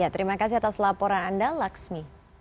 terima kasih atas laporan anda laksmi